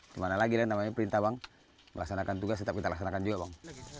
gimana lagi deh namanya perintah bang melaksanakan tugas tetap kita laksanakan juga bang